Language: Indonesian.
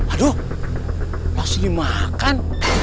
aduh masih makan